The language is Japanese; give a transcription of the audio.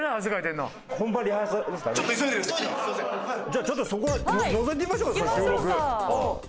じゃあちょっとそこのぞいてみましょうかその収録。